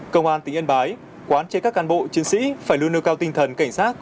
công an tỉnh yên bái quán chế các cán bộ chiến sĩ phải luôn nêu cao tinh thần cảnh sát